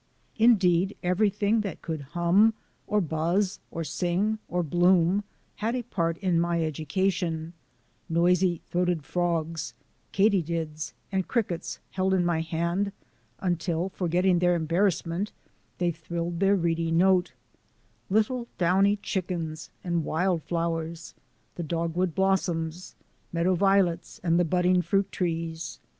... Indeed, everything that could hum, or buzz, or sing, or bloom, had a part in my education — noisy throated frogs; katydids and crickets held in my hand until, forgetting their em barrassment, they trilled their reedy note; little downy chickens and wild flowers; the dogwood blossoms; meadoiv violets and budding fruit trees.